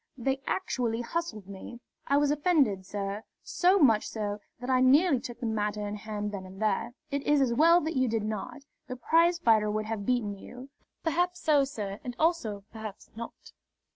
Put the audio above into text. They actually hustled me. I was offended, sir so much so that I nearly took the matter in hand then and there." "It is as well that you did not. The prizefighter would have beaten you." "Perhaps so, sir and also, perhaps not."